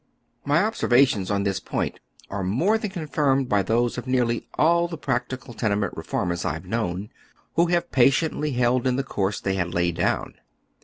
My observations on this point are more than confirmed by those of nearly all the practical tenement reformers I have known, who have patiently held to the course they had laid down.